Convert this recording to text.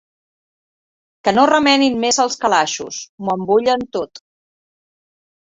Que no remenin més els calaixos: m'ho embullen tot!